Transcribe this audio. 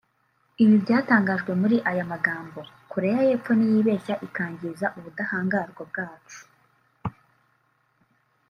Ibi byatangajwe muri aya magambo “Koreya y’Epfo niyibeshya ikangiza ubudahangarwa bwacu